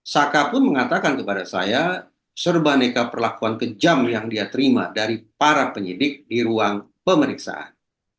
saka pun mengatakan kepada saya serbaneka perlakuan kejam yang dia terima dari para penyidik di ruang pemeriksaan